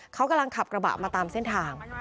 เขากำลังขับกระบะมาตามเส้นทาง